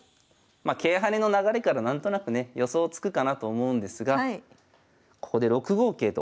ま桂跳ねの流れから何となくね予想つくかなと思うんですがここで６五桂と。